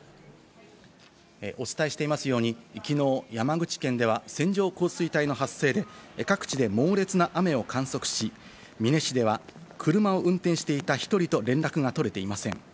お伝えしていますように、きのう、山口県では線状降水帯の発生で、各地で猛烈な雨を観測し、美祢市では車を運転していた１人と連絡が取れていません。